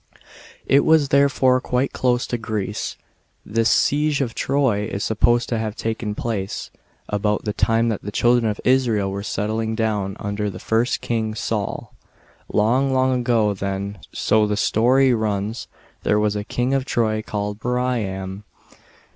It was therefore quite close to Greece. This siege of Troy is supposed to have taken place, about the time that the children of Israel were settling down, under their first king, Saul. Long, long ago, then, so the story runs, there was a King of Troy, called Priam.